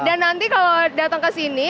dan nanti kalau datang ke sini